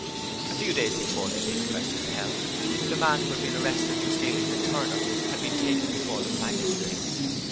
A few days before this inquest was held, the man who had been arrested for stealing the turnip had been taken before the magistrates.